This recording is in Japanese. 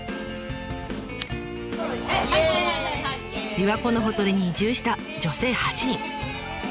琵琶湖のほとりに移住した女性８人。